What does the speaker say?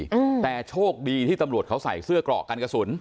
กลุ่มโปรกดีที่ตำรวจเขาใส่เสื้อกเกาะกันกระสุน